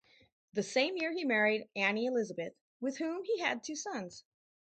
The same year he married Annie Elizabeth, with whom he had two sons.